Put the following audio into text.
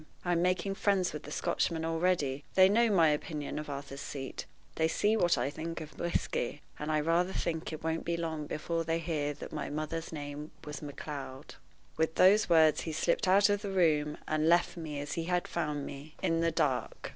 I'm making friends with the Scotchmen already. They know my opinion of Arthur's Seat; they see what I think of whisky; and I rather think it won't be long before they hear that my mother's maiden name was Macleod." With those words he slipped out of the room, and left me, as he had found me, in the dark.